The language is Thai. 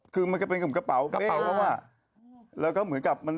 ทีมภาษามันเป็นที่มันดึงหล่อมาก